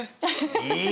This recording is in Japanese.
いい！